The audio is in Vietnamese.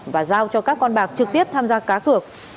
và giao cho các con bạc trực tiếp tham gia cá cược